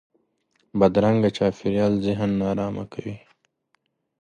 بدرنګه چاپېریال ذهن نارامه کوي